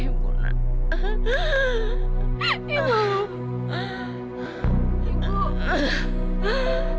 itu udah kok